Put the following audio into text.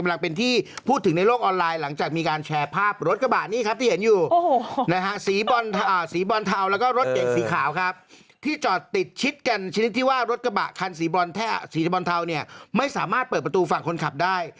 หนึ่งที่ว่ารถกระบะคันสีบอลเทาไม่สามารถเปิดประตูฝั่งคนขับได้